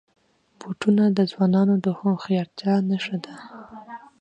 بوټونه د ځوانانو د هوښیارتیا نښه ده.